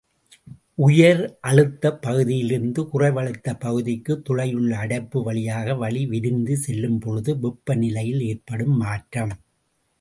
உயர் அழுத்தப்பகுதியிலிருந்து குறைவழுத்தப்பகுதிக்குத் துளையுள்ள அடைப்பு வழியாக வளி விரிந்து செல்லும்பொழுது வெப்ப நிலையில் ஏற்படும் மாற்றம்.